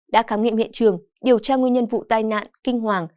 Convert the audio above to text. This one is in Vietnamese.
đã khám nghiệm hiện trường điều tra nguyên nhân vụ tai nạn kinh hoàng